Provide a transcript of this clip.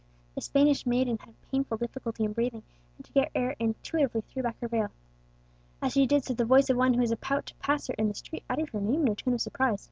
The Spanish maiden had painful difficulty in breathing, and to get air intuitively threw back her veil. As she did so the voice of one who was about to pass her in the street uttered her name in a tone of surprise.